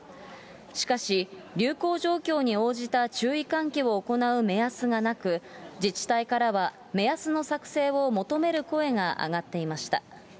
しかし、流行状況に応じた注意喚起を行う目安がなく、自治体からは目安の作成を求める声が上がっていました。